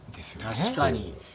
確かに。